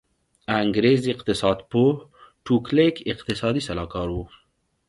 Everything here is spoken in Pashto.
انګرېز اقتصاد پوه ټو کلیک اقتصادي سلاکار و.